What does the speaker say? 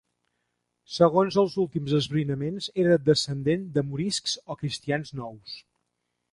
Segons els últims esbrinaments era descendent de moriscs o cristians nous.